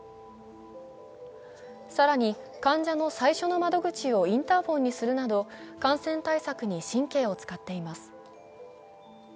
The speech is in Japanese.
更に、患者の最初の窓口をインターフォンにするなど感染対策に神経を使っています。